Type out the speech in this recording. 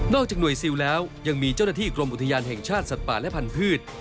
จากหน่วยซิลแล้วยังมีเจ้าหน้าที่กรมอุทยานแห่งชาติสัตว์ป่าและพันธุ์